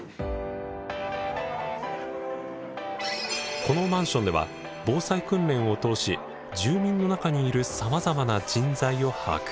このマンションでは防災訓練を通し住民の中にいるさまざまな人材を把握。